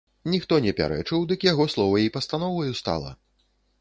Ніхто не пярэчыў, дык яго слова й пастановаю стала.